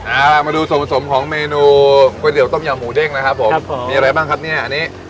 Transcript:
เอาล่ะมาดูส่วนผสมของเมนูก๋วยเตี๋ต้มยำหมูเด้งนะครับผมครับผมมีอะไรบ้างครับเนี่ยอันนี้